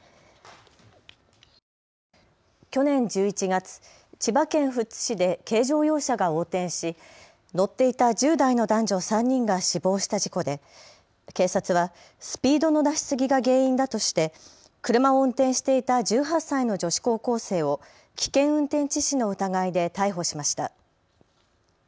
去年１１月、千葉県富津市で軽乗用車が横転し乗っていた１０代の男女３人が死亡した事故で警察はスピードの出し過ぎが原因だとして車を運転していた１８歳の女子高校生を危険運転致死の疑いで逮捕しました。